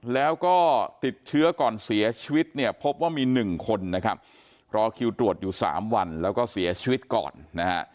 แล้วก็ติดเชื้อก่อนเสียชีวิตเนี่ยพบว่ามี๑คนนะครับรอคิวตรวจอยู่๓วันแล้วก็เสียชีวิตก่อนนะฮะ